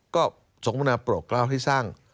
ก็ทรงประณำปรกเล่าให้สร้าง